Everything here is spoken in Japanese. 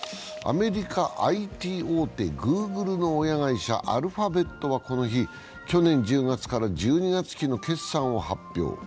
アメリカのＩＴ大手・グーグルの親会社アルファベットはこの日、去年１０月から１２月期の決算を発表。